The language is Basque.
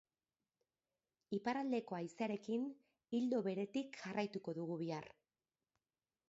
Iparraldeko haizearekin, ildo beretik jarraituko dugu bihar.